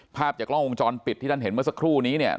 ภาพจากกล้องวงจรปิดที่ท่านเห็นเมื่อสักครู่นี้เนี่ย